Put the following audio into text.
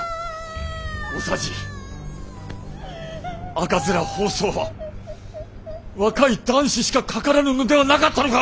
赤面疱瘡は若い男子しかかからぬのではなかったのか！